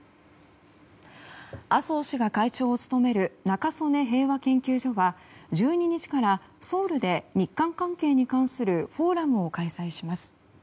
麻生氏が会長を務める中曽根平和研究所は１２日からソウルで日韓関係に関するフォーラムを開始します。